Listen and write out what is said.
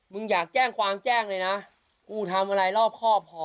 อยากแจ้งความแจ้งเลยนะกูทำอะไรรอบครอบพอ